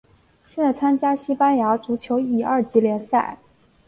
现在参加西班牙足球乙二级联赛。